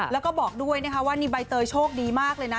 แล้วก็บอกด้วยนะคะว่านี่ใบเตยโชคดีมากเลยนะ